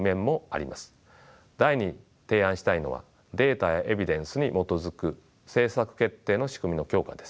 第２に提案したいのは「データやエビデンスに基づく政策決定の仕組みの強化」です。